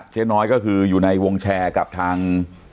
เจ๊น้อยก็คืออยู่ในวงแชร์กับทาง